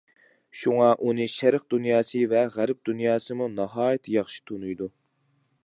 شۇڭا ئۇنى شەرق دۇنياسى ۋە غەرب دۇنياسىمۇ ناھايىتى ياخشى تونۇيدۇ.